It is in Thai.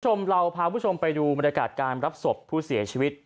คุณผู้ชมเราพาผู้ชมไปดูบรรยากาศการรับศพผู้เสียชีวิต